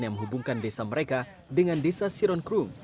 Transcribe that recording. yang menghubungkan desa mereka dengan desa siron krung